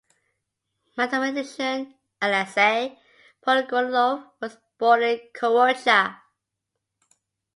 Mathematician Aleksei Pogorelov was born in Korocha.